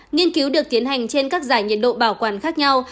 nghiên cứu được tiến hành trên các giải nhiệt độ bảo quản khác nhau